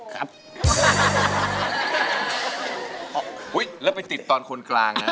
ครับแล้วไปติดตอนคนกลางนะ